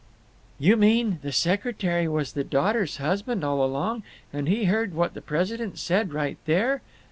"You mean the secretary was the daughter's husband all along, and he heard what the president said right there?"